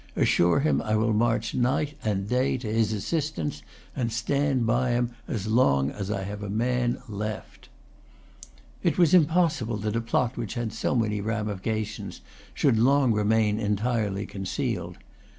Assure him I will march night and day to his assistance, and stand by him as long as I have a man left." It was impossible that a plot which had so many ramifications should long remain entirely concealed.